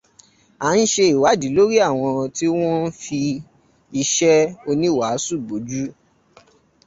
À ń se ìwádìí lórí àwọn tí wọ́n ń fi iṣẹ́ oníwàásù bojú.